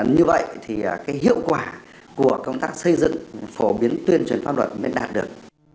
như vậy thì cái hiệu quả của công tác xây dựng phổ biến tuyên truyền pháp luật mới đạt được